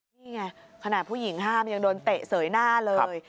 นี่ไงขนาดผู้หญิงห้ามยังโดนเตะเสยหน้าเลย